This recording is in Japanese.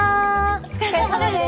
お疲れさまです。